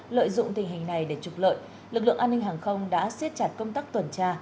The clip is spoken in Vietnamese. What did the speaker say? lợi dụng tình hình này để trục lợi lực lượng an ninh hàng không đã siết chặt công tác tuần tra